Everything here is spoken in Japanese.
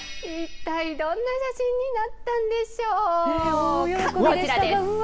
一体どんな写真になったんでしょう。